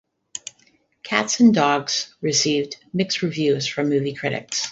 "Cats and Dogs" received mixed reviews from movie critics.